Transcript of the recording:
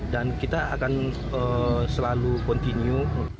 dan kita akan selalu kontinu